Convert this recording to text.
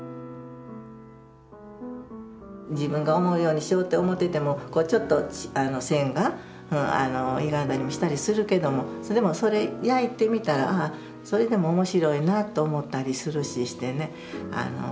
自分が思うようにしようって思っててもちょっと線がゆがんだりもしたりするけどもでもそれ焼いてみたらそれでも面白いなと思ったりするししてね。